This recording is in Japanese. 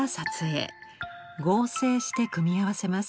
合成して組み合わせます。